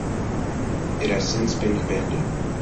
It has since been abandoned.